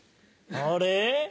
あれ？